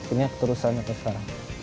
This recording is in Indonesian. ini terusannya ke sekarang